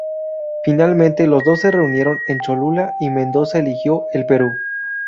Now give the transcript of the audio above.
Finalmente los dos se reunieron en Cholula y Mendoza eligió el Perú.